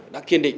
đã kiên định